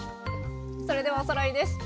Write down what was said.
それではおさらいです。